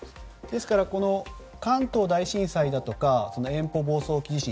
ですから関東大震災だとか延宝房総沖地震